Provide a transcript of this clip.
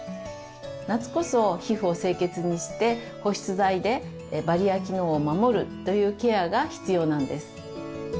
夏こそ皮膚を清潔にして保湿剤でバリア機能を守るというケアが必要なんです。